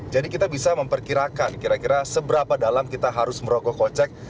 jadi kita bisa memperkirakan kira kira seberapa dalam kita harus merogoh kocek